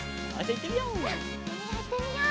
いってみよういってみよう。